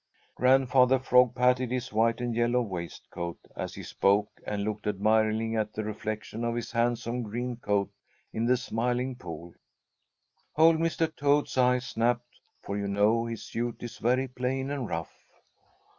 Grandfather Frog patted his white and yellow waistcoat as he spoke and looked admiringly at the reflection of his handsome green coat in the Smiling Pool. Old Mr. Toad's eyes snapped, for you know his suit is very plain and rough.